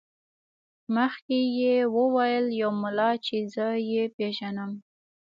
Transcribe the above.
مخکې یې وویل یو ملا چې زه یې پېژنم.